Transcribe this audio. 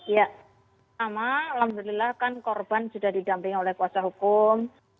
ya pertama alhamdulillah kan korban sudah didampingi oleh kuasa hukum